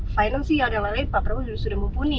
finansial dan lain lain pak prabowo sudah mumpuni